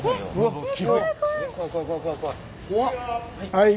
はい。